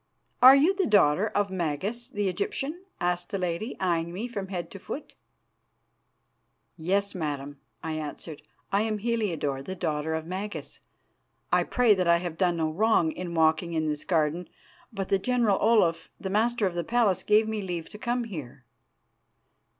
"'Are you the daughter of Magas, the Egyptian?' asked the lady, eyeing me from head to foot. "'Yes, Madam,' I answered. 'I am Heliodore, the daughter of Magas. I pray that I have done no wrong in walking in this garden, but the General Olaf, the Master of the Palace, gave me leave to come here.